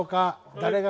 誰が。